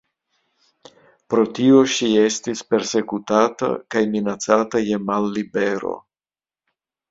Pro tio ŝi estis persekutata kaj minacata je mallibero.